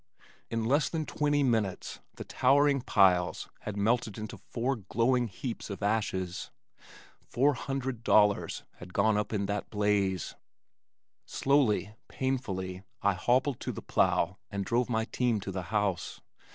In less than twenty minutes the towering piles had melted into four glowing heaps of ashes. Four hundred dollars had gone up in that blaze. Slowly, painfully I hobbled to the plow and drove my team to the house.